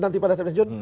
nanti pada pensiun